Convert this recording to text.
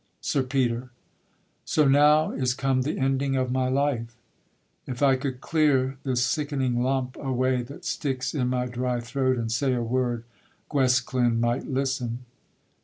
SIR PETER. So now is come the ending of my life; If I could clear this sickening lump away That sticks in my dry throat, and say a word, Guesclin might listen.